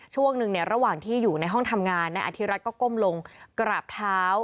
ช่วงหนึ่งเนี่ยระหว่างที่อยู่ในห้องทำงานนายอธิรัฐก็ก้มลงกราบเท้า